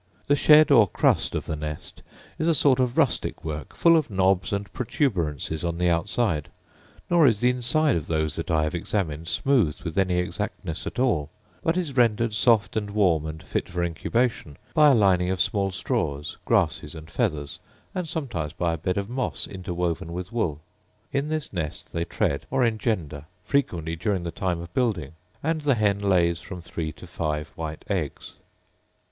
The shed or crust of the nest is a sort of rustic work full of knobs and protuberances on the outside: nor is the inside of those that I have examined smoothed with any exactness at all; but is rendered soft and warm, and fit for incubation, by a lining of small straws, grasses, and feathers, and sometimes by a bed of moss interwoven with wool. In this nest they tread, or engender, frequently during the time of building; and the hen lays from three to five white eggs.